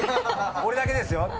俺だけですよ？